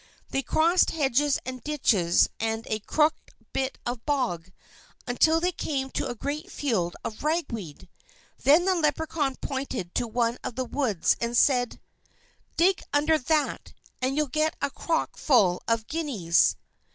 They crossed hedges and ditches and a crooked bit of bog, until they came to a great field of ragweed. Then the Leprechaun pointed to one of the weeds, and said: "Dig under that, and you'll get a crock full of guineas."